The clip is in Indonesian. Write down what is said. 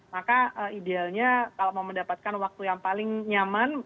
maka idealnya kalau mau mendapatkan waktu yang paling nyaman